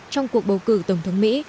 trong cuộc bầu cử tổng thống mỹ